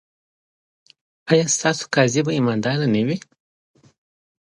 ایا ستاسو قاضي به ایماندار نه وي؟